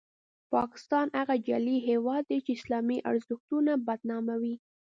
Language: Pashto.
پاکستان هغه جعلي هیواد دی چې اسلامي ارزښتونه بدناموي.